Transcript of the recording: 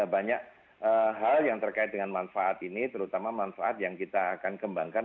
banyak hal yang terkait dengan manfaat ini terutama manfaat yang kita akan kembangkan